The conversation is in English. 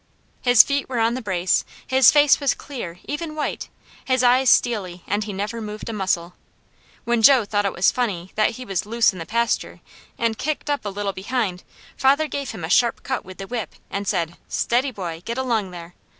His feet were on the brace, his face was clear, even white, his eyes steely, and he never moved a muscle. When Jo thought it was funny, that he was loose in the pasture, and kicked up a little behind, father gave him a sharp cut with the whip and said: "Steady boy! Get along there!"